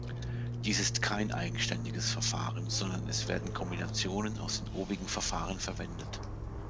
Dies ist kein eigenständiges Verfahren, sondern es werden Kombinationen aus den obigen Verfahren verwendet.